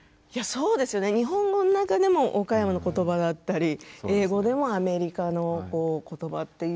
日本語の中でも岡山の言葉だったり英語でもアメリカの言葉という。